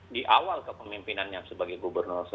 di awal kepemimpinannya sebagai gubernur